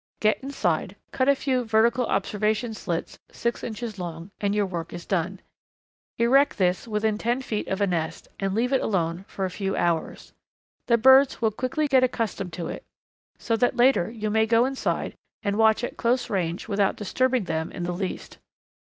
Get inside, cut a few vertical observation slits six inches long, and your work is done. Erect this within ten feet of a nest, and leave it alone for a few hours. The birds will quickly get accustomed to it so that later you may go inside and watch at close range without disturbing them in the least.